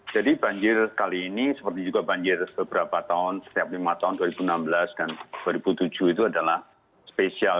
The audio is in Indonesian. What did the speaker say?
jadi banjir kali ini seperti juga banjir beberapa tahun setiap lima tahun dua ribu enam belas dan dua ribu tujuh itu adalah spesial